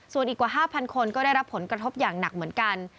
ส่วนอีกกว่า๕๐๐คนก็ได้รับผลกระทบอย่างหนักเหมือนกัน